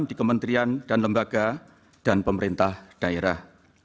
dari pemerintah pemerintahan dan pemerintahan